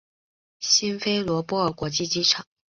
辛菲罗波尔国际机场。